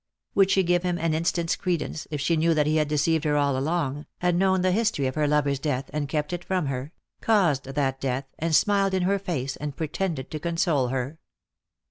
Would she give him an instant's credence if she knew that he had deceived her all along, had known the history of her lover's death and kept it from her, caused that death, and smiled in her face, and pretended to console her?